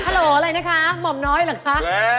โหลอะไรนะคะหม่อมน้อยเหรอคะ